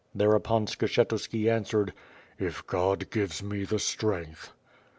'" Thereupon Skshetuski answered: "If (jiod gives me the strength."